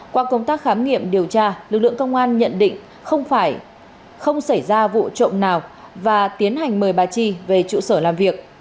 qua công tác khám nghiệm điều tra lực lượng công an nhận định không xảy ra vụ trộm nào và tiến hành mời bà chi về trụ sở làm việc